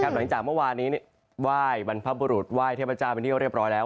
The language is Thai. หลังจากเมื่อวานนี้ไหว้บรรพบุรุษไหว้เทพเจ้าเป็นที่เรียบร้อยแล้ว